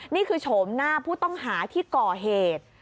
โฉมหน้าผู้ต้องหาที่ก่อเหตุ